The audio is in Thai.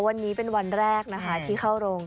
วันนี้เป็นวันแรกนะคะที่เข้าโรง